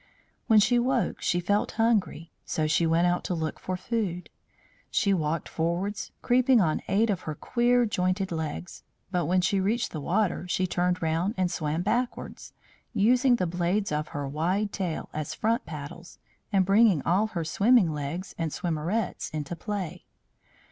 When she woke she felt hungry; so she went out to look for food. She walked forwards, creeping on eight of her queer jointed legs; but when she reached the water she turned round and swam backwards, using the blades of her wide tail as front paddles, and bringing all her swimming legs and swimmerets into play.